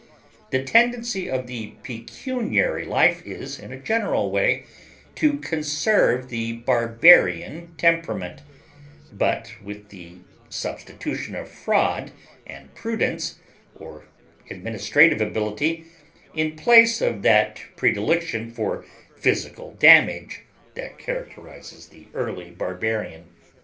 The tendency of the pecuniary life is, in a general way, to conserve the barbarian temperament, but with the substitution of fraud and prudence, or administrative ability, in place of that predilection for physical damage that characterizes the early barbarian.